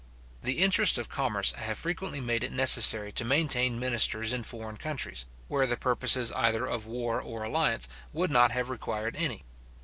The interests of commerce have frequently made it necessary to maintain ministers in foreign countries, where the purposes either of war or alliance would not have required any.